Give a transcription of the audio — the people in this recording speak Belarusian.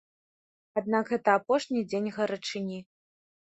Аднак гэта апошні дзень гарачыні.